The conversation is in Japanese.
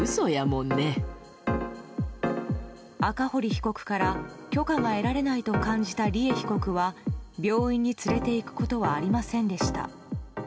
赤堀被告から許可が得られないと感じた利恵被告は病院に連れていくことはありませんでした。